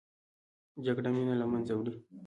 جګړه مینه له منځه وړي